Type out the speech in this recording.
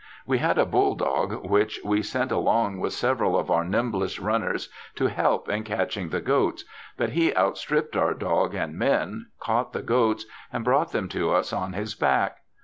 We had a bull dog which we sent along with several of our nimblest runners to help in catching the goats, but he outstripped our dog and men, caught the goats, and brought tnem to us on his back.